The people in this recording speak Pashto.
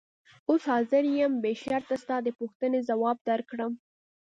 اوس حاضر یم بې شرطه ستا د پوښتنې ځواب درکړم.